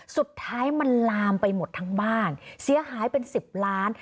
สุดท้ายมันลามไปหมดทั้งบ้านเสียหายเป็น๑๐ล้าน